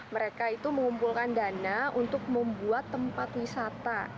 mereka itu mengumpulkan dana untuk membuat tempat wisata